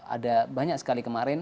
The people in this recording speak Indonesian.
ada banyak sekali kemarin